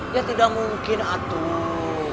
ya tidak mungkin atuh